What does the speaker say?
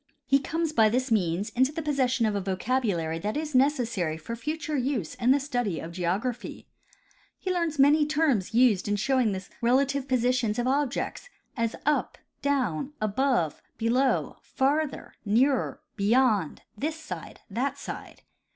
He comes by this means into the possession of a vocabulary that is neces sary for future use in the study of geography. He learns many terms used in showing the relative positions of objects, as ud, down, above, beloiv, farther, nearer, beyond, this side, that side.